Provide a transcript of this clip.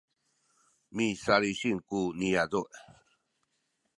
misalisin ku niyazu’